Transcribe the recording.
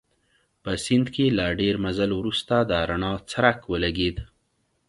په سیند کې له ډېر مزل وروسته د رڼا څرک ولګېد.